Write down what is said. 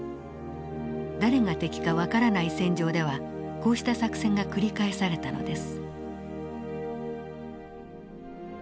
誰が敵か分からない戦場ではこうした作戦が繰り返されたのです。